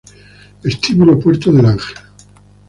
Vestíbulo Puerta del Ángel